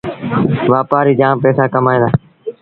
وآپآريٚ جآم پئيٚسآ ڪمائيٚݩ دآ